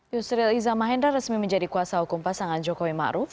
yusril iza mahendra resmi menjadi kuasa hukum pasangan jokowi ma'ruf